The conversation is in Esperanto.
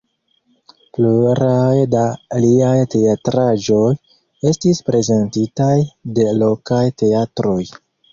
Pluraj da liaj teatraĵoj estis prezentitaj de lokaj teatroj.